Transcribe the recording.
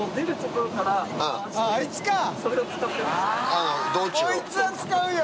こいつは使うよ！